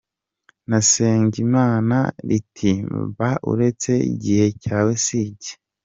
Nasenga Imana iti: “ba uretse gihe cyawe si iki.